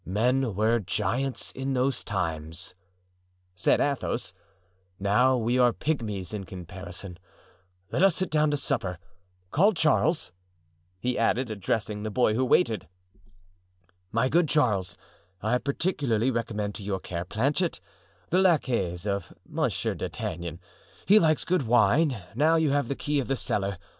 Men were giants in those times," said Athos; "now we are pigmies in comparison. Let us sit down to supper. Call Charles," he added, addressing the boy who waited. "My good Charles, I particularly recommend to your care Planchet, the laquais of Monsieur D'Artagnan. He likes good wine; now you have the key of the cellar.